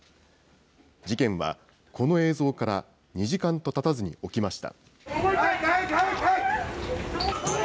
事件はこの映像から２時間とたたずに起きました。